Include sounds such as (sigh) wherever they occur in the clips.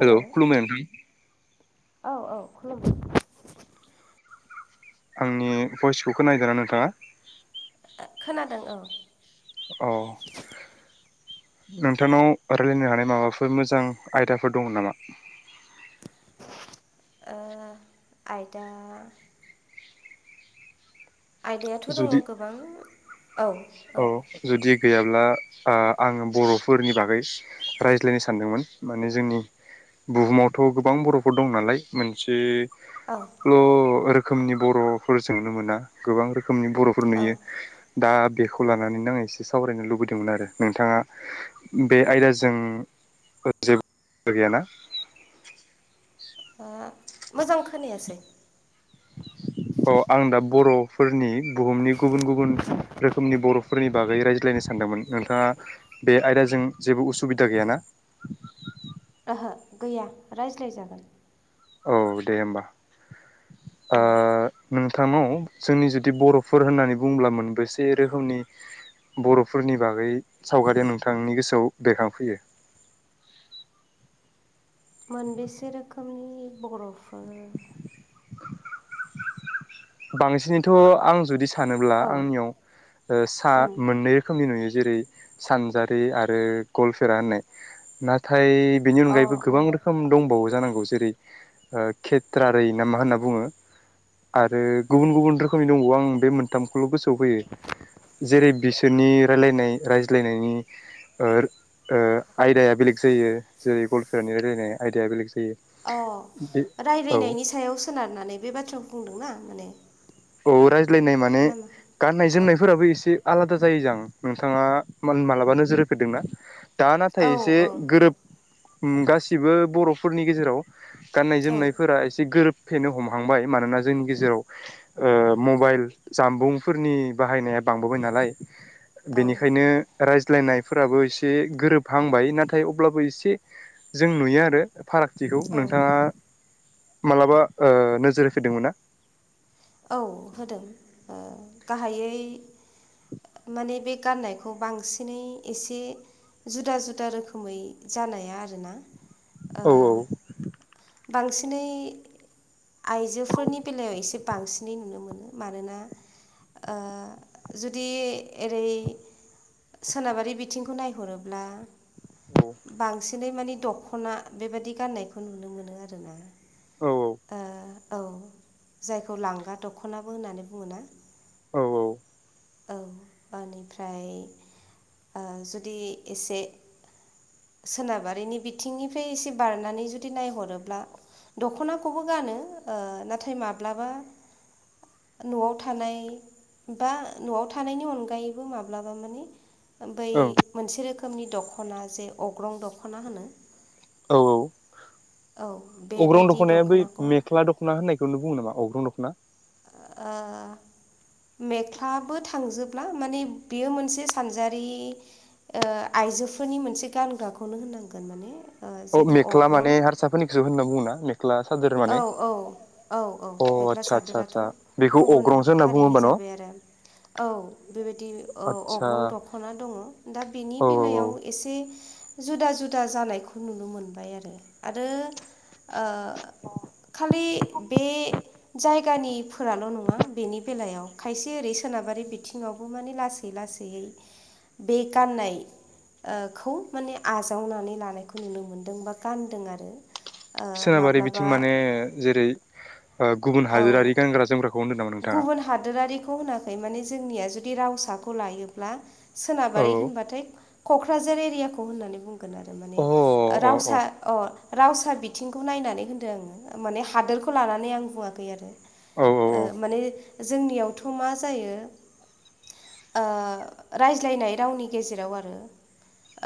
Hello खलुमबाय नोंथां औ औ खुलुमो आंनि भइसकखौ खोनायदो ना नोंथाङा खोनादों औ अह नोंथांनाव रायलायनो हानाय माबाफोर मोजां आयदाफोर दङ नामा (inaudible) ओ आयदा आयदायाथ‌ दङ जुदि गोबां। औ औ जुदि गैयाब्ला आ आङो बरफोरनि बागै रायज्लायनो सानदोंमोन माने जोंनि बुहुमावथ गोबां बरफोर दं नालाय मोनसे औ ल रोखोमनि बरफोरजोंनो मोना गोबां रोखोम रोखोमनि बरफोर औ नुयो दा बेखौ लानानैनो आं एसे सावरायनो लुबैदोंमोन आरो नोंथाङा बे आयदाजों जेबो गैयाना ओ मोजां खोनायासै अ आं दा बरफोरनि बुहुमनि गुबुन गुबुन रोखोमनि बरफोरनि बागै रायज्लायनो सानदोंमोन। नोंथाङा बे आयदाजों जेबो उसुबिदा गैयाना ओहो गैया रायज्लाय जागोन औ दे होमबा ओ औ नोंसिनि साथामाव जोंनि जुदि बरफोर होननानै बुंङब्ला मोनबेसे रोखोमनि बरफोरनि बागै सावगारिया नोंथांनि गोसोआव बेरखांफैयो (inaudible) मोनबेसे रोखोमनि बरफोर (inaudible) बांसिनैथ' आं जुदि सानोब्ला औ आंनियाव सा उम मोननै रोखोमनि नुयो जेरै सानजारि आरो गलफेरा होननाय नाथाय बेनि अ अनायैबो गोबां औ रोखोम दंबावोसै जानांगौ जेरै-ओ खित्रारै ना मा होनना बुङो? आ। आरो गुबुन-गुबुन रोखोमनि दंबावो आं बे मोनथामखौल गोसोआव फैयो। जेरै बिसोरनि रायलायनाय रायज्लायनायनि ओ-ओ आयदाया बेलेग। जायोे‌ जेरै गलफेरानि रायलायनाय आयदाया बेलेग जायो। अ बे औ रायलायनायनि सायाव सोनारनानै बे बाथ्राखौ बुंदों ना माने? औ रायज्लायनाय माने नामा औ गाननाय-जोमनायफोराबो एसे। आलादा जायो जां‌ नोंथाङा मोन मालाबा नोजोर होफेरदोंना? दा नाथाय औ एसे गोरोब ओम गासिबो बर'फोरनि गेजेराव। औ गाननाय-जोमनायफोरा एसे गोरोबफेनो हमहांबाय मानोना जोंनि गेजेराव। ओ मबाइल जामबुंफोरनि बाहायनाया बांबोबाय नालाय। औ बेनिखायनो रायज। ज्लायनायफोराबो एसे गोरोबहांबाय नाथाय अब्लाबो एसे जों नुयो आरो। फारागथिखौ औ नोंथाङा मालाबा ओ नोजोर होफेरदोंमोन ना? औ होदों ओ गाहाइयै। माने बे गाननायखौ बांसिनै एसे। जुदा-जुदा रोखोमै जानाया आरोना ओ। औ बांसिनै आइजोफोरनि बेलायाव एसे। बांसिनै नुनो मोनो मानोना। ओ जुदि एरै। सोनाबारि बिथिंखौ नायहरोब्ला बांसिनै माने। दख'ना बेबायदि गान्नायखौ नुनो मोनो आरोना। औ ओ औ जायखौ लांगा दख'नाबो होननानै बुङो ना? औ-औ। औ बानिफ्राय ओ जुदि एसे। सोनाबारिनि बिथिंनिफ्राय एसे बारनानै जुदि नायहरोब्ला। दख'नाखौबो गानो ओ नाथाय माब्लाबा। न'आव थानाय। बा न'आव थानायनि अनगायैबो माब्लाबा माने। बै मोनसे रोखोमनि दख'ना जे अग्रं दख'ना होनो। औ-औ। औ अग्रं बेबायदि दख'नाया बै दख'नाखौ मेख्ला दख'ना होननायखौनो बुङो नामा अग्रं दख'ना? ओ। मेख्लाबो थांजोबला माने बेयो मोनसे सानजारि। ओ आइजोफोरनि मोनसे गानग्रा खौनो होननांगोन माने। ओ अ जिहेतु मेख्ला माने हारसाफोरनिखौसो होनना बुङोना मेख्ला? सादोर माने औ-औ-औ-औ अ मेख्ला आदसा आदसा सादोराथ' आदसा बेखौ गुबुन अग्रंसो होनना बुङो हारिनि होमबा न' जाबाय आरो। औ बेबायदि ओ आदसा अग्रं दख'ना दङ' दा बेनि औ औ औ बेलायाव एसे। जुदा-जुदा जानायखौ नुनो मोनबाय आरो-आरो ओ। खालि बे जायगानिफोराल' नङा बेनि बेलायाव खायसे ओरै। सोनाबारि बिथिङावबो माने लासै-लासैैयै बे गाननाय। ओ खौ माने आजावनानै लानायखौ नुनो मोनदों बा गानदों आरो। ओ सोनाबारि बिथिं माब्लाबा माने जेरै-ओ गुबुन औ हादोरारि गानग्रा जोमग्राखौ। नामा नोंथाङा? गुबुन हादोरारिखौ होनाखै माने जोंनिया जुदि रावसाखौ लायोब्ला। औ सोनाबारि होनबाथाय क'क्राझार एरियाखौ होननानै बुङो। होगोन आरो माने अ अ अ रावसा अ। रावसा बिथिंखौ नायनानै होनदों आङो माने हादोरखौ लानानै आं बुङाखै आरो। औ ओ माने जोंनियावथ' मा जायो। ओ रायज्लायनाय रावनि गेजेराव आरो।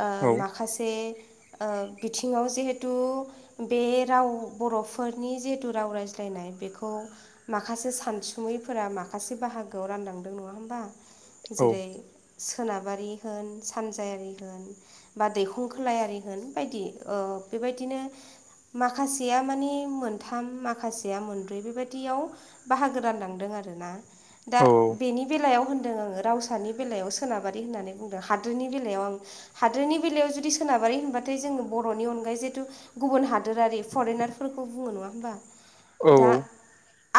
ओ औ माखासे। ओ बिथिङाव जिहेतु बे राव बर'फोरनि जिहेतु राव रायज्लायनाय। नाय बेखौ माखा खासे सानसुमैफोरा माखासे बाहागोआव रानलांदों नङा होमबा औ जेरै सोनाबारि होन सानजायारि होन बा दैखं खोलायारि होन बायदि ओ बेबायदिनो माखासेया माने मोनथाम माखासेया मोनब्रै बेबायदियाव बाहागो रानलांदों आरोना दा औ बेनि बेलायाव होन होनदों आङो रावसानि बेलायाव सोनाबारि होन्नानै बुंदों हादोरनि बेलायाव आं हादोरनि बेलायाव जुदि सोनाब बारि होनबाथाय जोङो बर'नि अनगायै जेथु गुबुन हादोरारि फरेनारफोरखौ बुङो नङा होमबा औ दा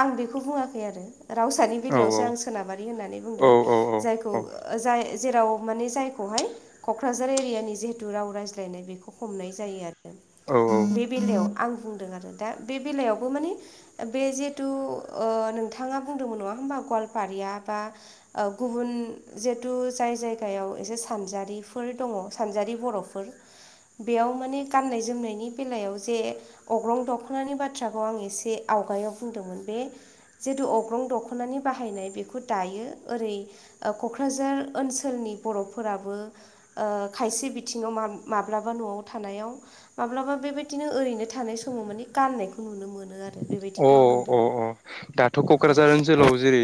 आं बे खौ बुङाखै आरो रावसानि औ बेलायावसो आं सोनाबारि होननानै बुंदों जायखौ जा ओ राव माने जायखौहाय क'क्राझार एरियानि जेतु राव रायज्लायनाय बेखौ हमनाय जायो आरो बे बेलायाव आं बुंदों आरो दा बे बेलायावबो माने बे जेथु ओ नोंथाङा बुंदोंमोन नङा होमबा गवालपारिया बा ओ गुबुन जेथु जाय जायगायाव एसे सानजारिफोर दङ सानजारि बर'फोर बेयाव माने गाननाय जोमनायनि बेलायाव जे अग्रं दख'नानि बाथ्राखौ आं एसे आव आवगायाव बुंदोंमोन बे जेथु अग्रं दख'नानि बाहायनाय बेखौ दायो ओरै क'क्राझार ओनसोल लनि बर'फोराबो खायसे बिथिङाव माब्लाबा न'आव थानायाव माब्लाबा बेबायदिनो ओरैनो थानाय समाव मानि गाननायखौ नुनो मोनो आरो औ बेबायदिखौ आं अ होनदों अ दाथ' क'क्राझार ओनसोलाव जेरै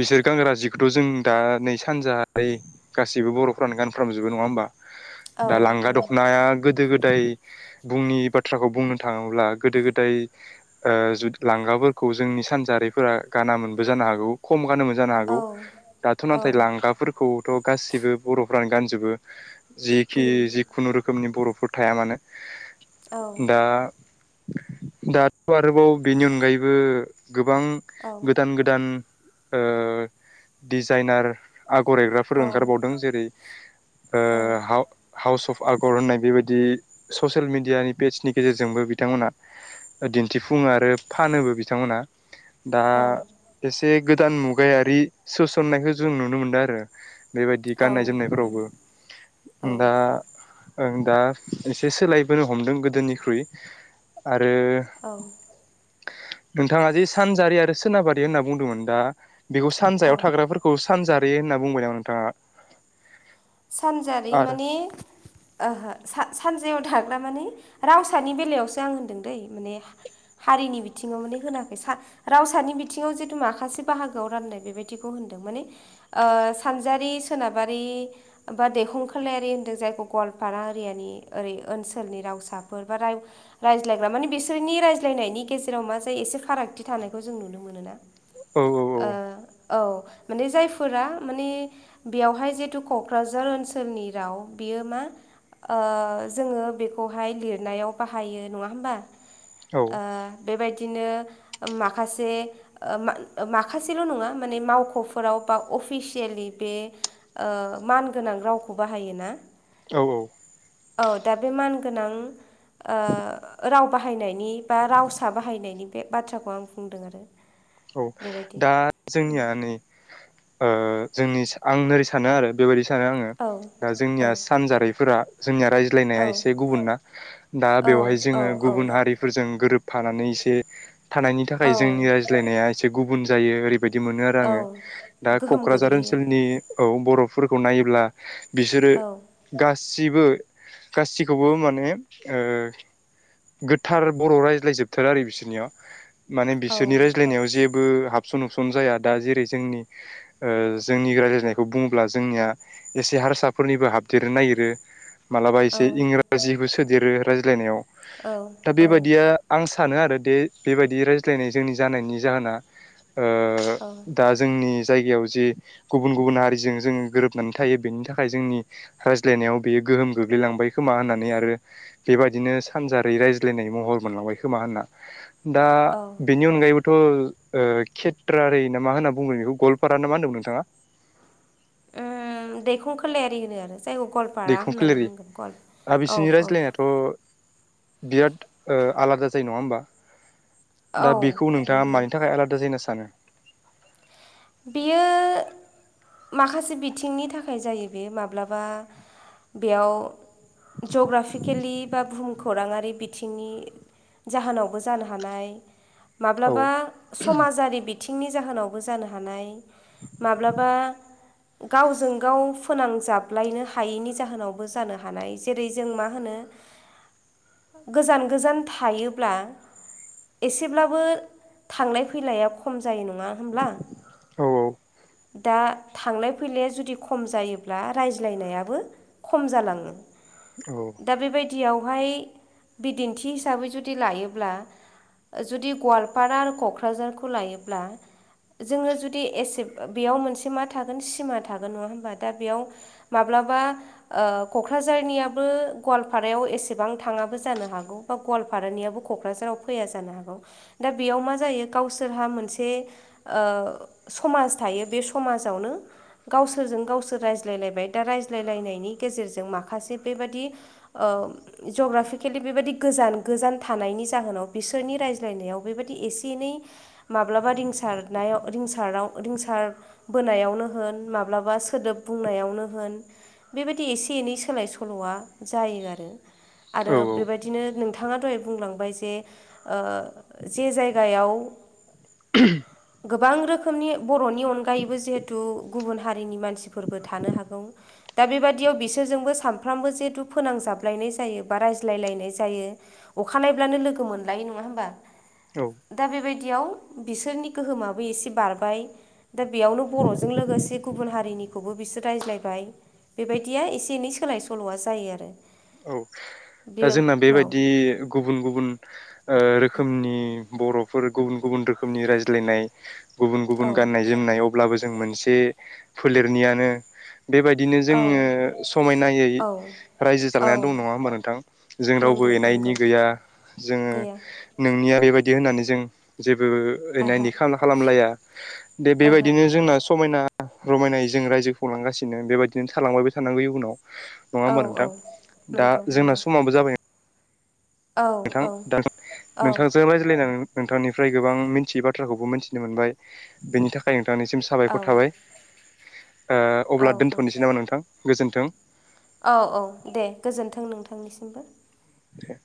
बिसोर गानग्रा जिखौथ' जों दा नै सानजाहा गासैबो बर'फ्रानो गानफ्रामजोबो नङा होमबा दा लांगा दख'नाया गोदो-गोदाय दाय बुंनि बाथ्राखौ बुंनो थाङोब्ला गोदो गोदाय जु लांगाफोरखौ जोंनि सानजारिफोरा गानामोनबो जानो हागौ खम गानोमोन जानो हागौ। दाथ' नाथाय लांगाफोरखौथ' गासिबो बर'फ्रानो गानजोबो जिखि जिखुनुु रोखोमनि बर'फोर थाया मानो दा दाथ' आरोबाव बेनि अनगायैबो गोबां औ गोदान-गोदान ओ डिजाइनार आगर औ एग्राफोर ओंखारबावदों जेरै ओ हाव हावस अफ आगर होननाय बेबायदि ससियेल मिडियानि पेजनि गेजेरजोंबो बिथांमोना दिन्थिफुङो आरो फानोबो बिथांमोनहा दा एसे गोदान मुगायारि सोसननायखौ जों नुनो मोनदों आरो बेबायदि औ गाननाय-जोमनायफोरावबो दा आं दा एसे सोलायबोनो हमदों गोदोनिख्रुइ आरो औ नोंथाङा जि सानजारि आरो सोनाबारि होनना बुंदोंमोन दा बेखौ औ सानजायाव थाग्राफोरखौ सानजारि होनना बुंबाय नामा नोंथाङा? सानजारि आरो मानि ओहो सा सान जायाव थाग्रा माने रावसानि बेलायावसो आं होनदों दै माने हारिनि बिथिङाव माने होनाखै। रावसानि बिथिङाव जिथु माखासे बाहागोआव राननाय बेबायदिखौ होन दों माने सानजारि, सोनाबारि बा दैखंखोलायारि होन्दों जायखौ गवालपारा एरियानि ओरै ओनसोलनि रावसाफोर बा राव रायज्लायग्रा माने बिसोरनि रायज्लायनायनि गेजेराव मा जायो एसे फारागथि थानायखौ जों नुनो मोनोना औ ओ औ माने जायफोरा माने बेवहाय जेतु कक कक्राझार ओनसोलनि राव बियो मा ओ जोङो बेखौहाय लिरनायाव बाहायो नङा होमबा औ ओ बेबायदिनो माखासे ओ माखासेल' नङा माने मावख'फोराव बा अफिसिएलि बे मान गोनां रावखौ बाहायोना औ औ। औ दा बे मानगोनां ओ राव बाहायनायनि बा रावसा बाहायनायनि बे बाथ्राखौ आं बुंदों आरो। औ बेबायदि दा जोंनिया नै ओ जोंनि आं ओरै सानो आरो बेबायदि सानो आङो औ दा औ जोंनिया सानजारिफोरा जोंनिया रायज्लायनाया औ एसे गुबुनना। दा औ बेवहाय औ जोङो औ गुबुन हारिफोरजों गोरोब फानानै एसे थानायनि थाखाय औ जोंनि रायज्लायनाया एसे गुबुन जायो, ओरै बायदि मोनो आरो औ आङो। दा गोहोम क'क्राझार गोग्लैयो ओनसोलनि औ बर'फोरखौ नायोब्ला बिसोरो औ गासिबो गासिखौबो माने ओ गोथार बर' रायज्लाय जोबथारो आरो बिसोरनियाव माने औ बिसोरनि रायज्ला जेबो हाबसन हुबसन जाया। दा जेरै जोंनि ओ जोंनि रायज्लायनायखौ बुङोब्ला जोंनिया एसे हारसाफोरनिबो हाबदेरनो नागिरो मालाबा औ एसे इंराजिखौ सोदेरो रायज्लायनायाव, औ दा औ बेबादिया आं सानो सानो आरो दे बेबायदि रायज्लायनाय जोंनि जानायनि जाहोना ओ औ दा जोंनि जायगायाव जे गुबुन-गुबुन हारिजों जोङो गोरोबनानै थायो बेनि थाखाय जोंनि रायज्लायनायाव बेयो गोहोम गोग्लैलांबाय खोमा होननानै आरो बेबायदिनो सानजारै रायज्लायनाय महर मोनलांबाय खोमा होनना। दा ओम बे बेबोथ' ओ खेत्रारै ना मा होनना बुंगोन बेखौ गवालपारा ना मा होनदोंमोन नोंथाङा? ओ दैखं खोलायारि होनो आरो जायगाखौ गवालपारा होननानै दैखंखोलेरि बुंगोन गवाल दा औ बिसोरनि औ। रायज्लायनायाथ' बिराद ओ आलादा जायो। नङा होमबा? औ दा बेखौ नोंथाङा ओम मानि थाखाय आलादा जायो होना सानो? बियो माखासे बिथिंनि थाखाय जायो बे माब्लाबा बेयाव जग्राफिकेलि बा बुहुमखौराङारि बिथिंनि जाहोनावबो जानो हानाय औ माब्लाबा समाजारि बिथिंनि जाहोनावबो जानो हानाय माब्लाबा गावजों गाव फोनांजाबलायनो हायैनि जाहोनावबो जानो हानाय। जेरै जों मा होनो (inaudible) गोजान गोजान थायोब्ला एसेब्लाबो थांनाय फैलाया खम जायो। नङा होमब्ला? औ औ। दा थांनाय फैनाया जुदि खम जायोब्ला रायज्लायनायाबो खम जालाङो। औ दा बेबायद दियावहाय बिदिन्थि हिसाबै जुदि लायोब्ला जुदि गवालपारा आरो क'क्राझारखौ लायोब्ला जोङो जुदि एसे बेयाव मोनसे मा थागोन सिमा थागोन। नङा होमबा? दा बेयाव माब्लाबा ओ क'क्राझारनियाबो गवालपारायाव एसेबां थाङाबो जानो हागौ। बा गवालपा रानियाबो क'क्राझाराव फैया जानो हागौ। दा बेयाव मा जायो गावसोरहा मोनसे ओ समाज थायो। बे समाजावनो गावसोरजों गावसोर रायज्लायलायबाय दा रायज्लायलायनायनि गेजेरजों माखासे बेबादि ओ ओ जग्राफिकेलि बेबायदि गोजान गोजान थानायनि जाहोनाव बिसोरनि रायज्लायनायाव बेबायदि ए से एनै माब्लाबा रिंसार नायाव रिंसाराव रिंसार बोनायावनो होन माब्लाबा सोदोब बुंनायावनो होन बेबायदि एसे एनै सोलाय सोल'आ जायो आरो। आरो औ बेबायदिनो नोंथ थाङा दहाय बुंलांबाय जे-ओ जे जायगायाव (unintelligible) गोबां रोखोमनि बर'नि अनगायैबो जिहेथु गुबुन हारिनि मानसिफोरबो थानो हागौ दा बेबादियाव बिसोरजोंबो सानफ्रामबो जिहेथु फोनांजाबलायनाय जायो बा रायज्लायलायनाय जायो। अखानायब्लानो लोगो मोनलायो नङा होमबा औ दा बेबायदियाव बिसोरनि गोहोमा बो एसे बारबाय दा बेयावनो बर'जों लोगोसे गुबुन हारिनिखौबो बिसोर रायज्लायबाय बेबायदिया एसे एनै सोलाय सोल'आ जायो आरो। औ बे दा जोंना बेबायदि औ गुबुन गुबुन ओ रो खोमनि बर'फोर गुबुन-गुबुन रोखोमनि रायज्लायनाय गुबुन गुबुन औ गाननाय जोमनायाव अब्लाबो जों मोनसे फोलेरनियानो बेबायदिनो औ जोंङो समायनायै औ रायजो औ जालायनानै दं नंङा होमबा नोंथां जों रावबो नंगौ एना नंगौ एनि गैया जोंङो गैया नोंनिया बेबायदि होननानै जों जे बो एना आहा एनि खालाम-खालामलाया दे ओहो बेबायदिनो जोंना समायना रमायनायै जों रायजो खुंलांगासिनो बेबायदिनो थालांबायबो थानांगौ इयुनाव। नंङा औ होमबा नोंथां दा नंगौ जोंना नंगौ स औ नोंथां औ नोंथांजों रायज्लायनानै नोंथांनिफ्राय गोबां मिथियै बाथ्राखौबो मिथिनो मोनबाय बेनि थाखाय नोंथांनिसिम साबायखर थाबाय। ओ औ अब्ला औ दोन्थ'नोसै नामा नोंथां गोजोन्थों। औ औ दे गोजोन्थों नोंथांनिसिमबो। दे।